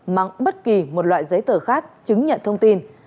mang bất kỳ một loại giấy tờ khác chứng nhận thông tin